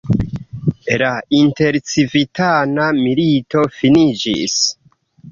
La intercivitana milito finiĝis.